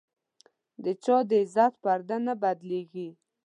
د چا د عزت پرده نه بدلېږي.